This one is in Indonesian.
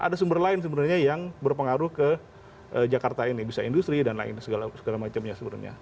ada sumber lain sebenarnya yang berpengaruh ke jakarta ini bisa industri dan lain segala macamnya sebenarnya